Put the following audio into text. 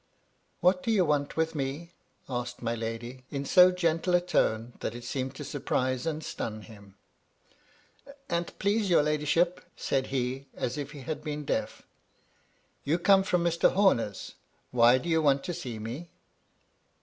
" What do you want with me ?" asked my lady ; in so gentle a tone that it seemed to surprise and stun him. " An't please your ladyship ?" said he, as if he had been deaf. " You come from Mr. Homer's : why do you want to see me